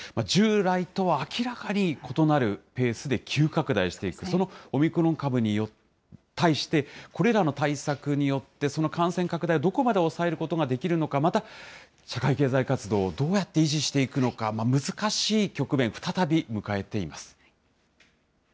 従来とは明らかに異なるペースで急拡大していく、そのオミクロン株に対して、これらの対策によって、その感染拡大をどこまで抑えることができるのか、また社会経済活動をどうやって維持していくのか、難しい局面、再び迎えています。